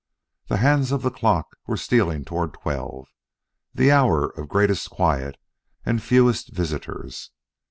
The hands of the clock were stealing toward twelve the hour of greatest quiet and fewest visitors.